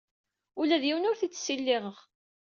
Ula d yiwen ur t-id-ssiliɣeɣ.